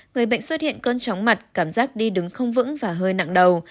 người bệnh xuất hiện cơn chóng mặt cảm giác đi đứng không vững và hơi nặng đầu